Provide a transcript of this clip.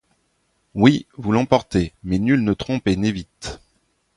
Oui, vous l'emportez ; mais nul ne trompe et n'évite